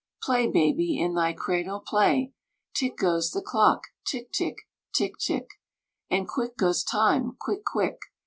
Play, baby, in thy cradle play Tick goes the clock, tick tick, tick tick; And quick goes time, quick, quick!